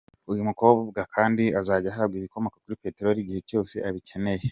Uyu mukobwa kandi azajya ahabwa ibikomoka kuri peteroli igihe cyose abikeneye.